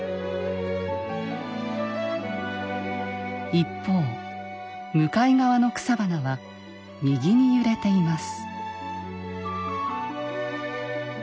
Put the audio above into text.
一方向かい側の草花は右に揺れています。